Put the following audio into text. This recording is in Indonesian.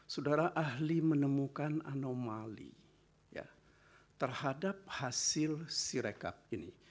saudara ahli menemukan anomali terhadap hasil sirekap ini